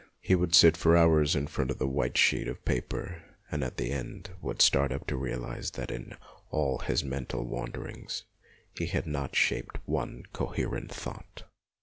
He would sit 251 252 MONOLOGUES for hours in front of a white sheet of paper and at the end would start up to realize that in all his mental wanderings he had not shaped one coherent thought.